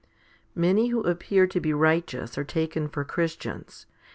1. MANY who appear to be righteous are taken for Christians.